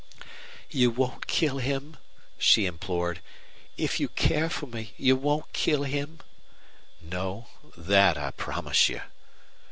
"You won't kill him?" she implored. "If you care for me you won't kill him?" "No. That I promise you."